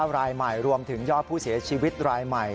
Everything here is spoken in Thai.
รายใหม่รวมถึงยอดผู้เสียชีวิตรายใหม่